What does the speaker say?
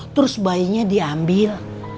terus bayinya diambil